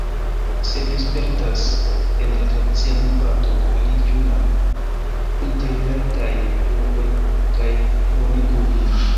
Se vi spertas en la tradicia movado, aliĝu al interretaj grupoj kaj plibonigu ilin.